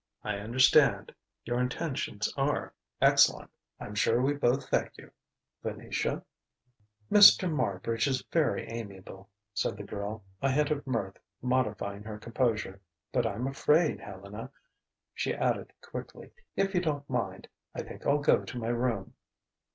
"I understand: your intentions are excellent. I'm sure we both thank you. Venetia ?" "Mr. Marbridge is very amiable," said the girl, a hint of mirth modifying her composure. "But I'm afraid, Helena," she added quickly "if you don't mind I think I'll go to my room."